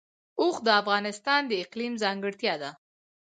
اوښ د افغانستان د اقلیم ځانګړتیا ده.